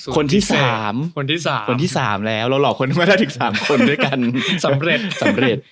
คนที่สามคนที่สามแล้วเราหลอกคนไม่ได้ถึงสามคนด้วยกันสำเร็จ